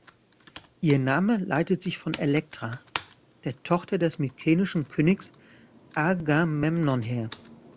Ihr Name leitet sich von Elektra, der Tochter des mykenischen Königs Agamemnon, her.